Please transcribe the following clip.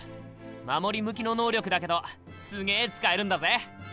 守り向きの能力だけどすげえ使えるんだぜ！